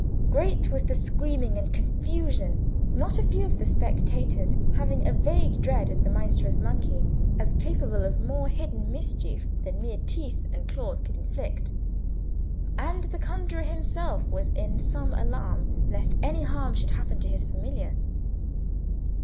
Great was the screaming and confusion, not a few of the spectators having a vague dread of the Maestro's monkey, as capable of more hidden mischief than mere teeth and claws could inflict; and the conjuror himself was in some alarm lest any harm should happen to his familiar.